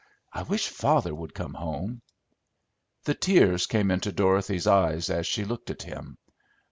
I wish father would come home!" The tears came into Dorothy's eyes as she looked at him.